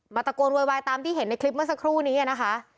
ตะโกนโวยวายตามที่เห็นในคลิปเมื่อสักครู่นี้นะคะ